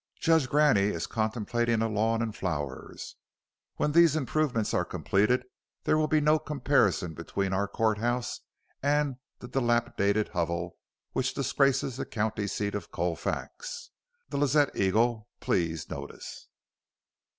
Judge Graney is contemplating a lawn and flowers. When these improvements are completed there will be no comparison between our court house and the dilapidated hovel which disgraces the county seat of Colfax. The Lazette Eagle please notice.